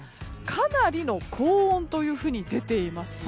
かなりの高温というふうに出ています。